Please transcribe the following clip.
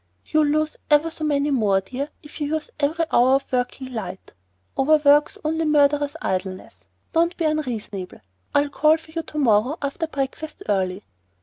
"You'll lose ever so many more, dear, if you use every hour of working light. Overwork's only murderous idleness. Don't be unreasonable. I'll call for you to morrow after breakfast early."